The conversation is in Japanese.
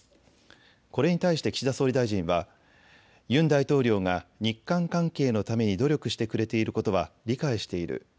これに対して岸田総理大臣はユン大統領が日韓関係のために努力してくれていることは理解している。